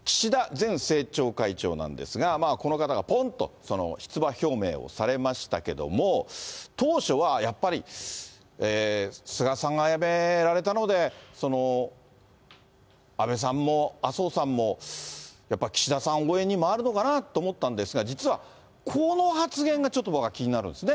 前政調会長なんですが、この方がぽんと、出馬表明をされましたけども、当初は、やっぱり菅さんが辞められたので、安倍さんも麻生さんもやっぱり岸田さん応援に回るのかなと思ったんですが、実はこの発言がちょっと僕は気になるんですね。